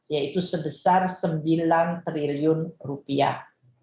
yaitu sebesar sembilan triliun rupiah